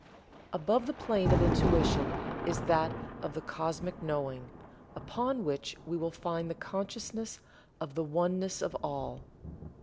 Above the plane of Intuition is that of the Cosmic Knowing, upon which we will find the consciousness of the Oneness of All.